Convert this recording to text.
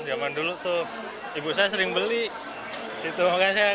cuman dulu tuh ibu saya sering beli gitu makannya saya tadi kan lagi jalan jalan tuh